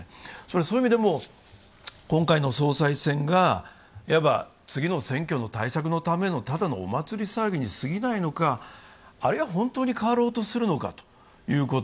そういう意味でも今回の総裁選がいわば次の選挙の対策のためのただのお祭騒ぎにすぎないのか、あるいは本当に変わろうとするのかということ、